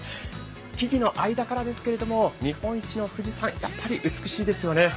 木々の間から日本一の富士山、やっぱり美しいですよね。